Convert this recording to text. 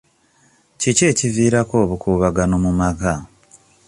Kiki ekiviirako obukuubagano mu maka?